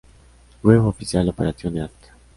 Web oficial Operation Earth